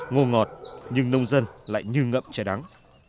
ngô ngọt nhưng nông dân lại như ngậm che đắng